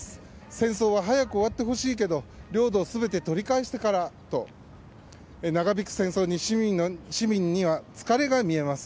戦争は早く終わってほしいけど領土を全て取り返してからと長引く戦争に、市民には疲れが見えます。